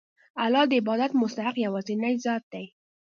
الله د عبادت مستحق یوازینی ذات دی.